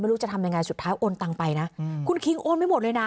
ไม่รู้จะทำยังไงสุดท้ายโอนตังไปนะอืมคุณคิงโอนไม่หมดเลยน่ะ